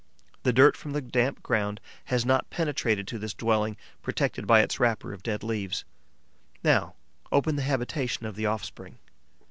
The dirt from the damp ground has not penetrated to this dwelling protected by its wrapper of dead leaves. Now open the habitation of the offspring.